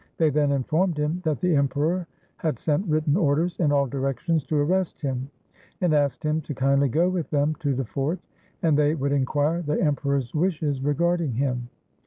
They then informed him that the Emperor had sent written orders in all directions to arrest him, and asked him to kindly go with them to the fort, and they would inquire the Emperor's wishes regarding him.